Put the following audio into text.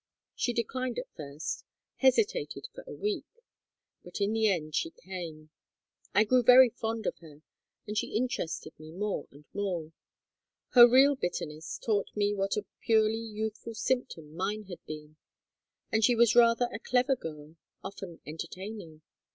She declined at first, hesitated for a week; but in the end she came. I grew very fond of her, and she interested me more and more. Her real bitterness taught me what a purely youthful symptom mine had been, and she was rather a clever girl, often entertaining.